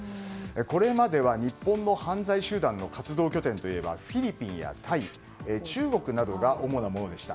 これまでは日本の犯罪集団の活動拠点といえばフィリピンやタイ中国などが主なものでした。